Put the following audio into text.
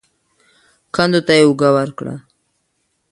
کندو ته يې اوږه ورکړه.